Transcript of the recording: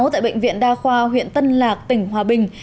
tại bệnh viện đa khoa huyện tân lạc tỉnh hòa bình